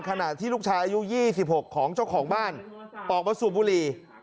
ขณะที่ลูกชายอายุ๒๖ของเจ้าของบ้านออกมาสูบบุหรี่